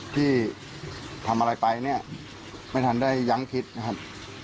ที่ทำอะไรไปเนี่ยไม่ทันได้ยั้งคิดนะครับ